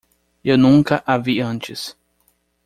Eu nunca a vi antes.